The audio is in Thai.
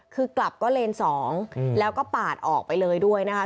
คือกลับก็เลน๒แล้วก็ปาดออกไปเลยด้วยนะคะ